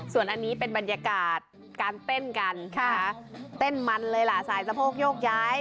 ส่วนอันนี้เป็นบรรยากาศการเต้นกันนะคะเต้นมันเลยล่ะสายสะโพกโยกย้าย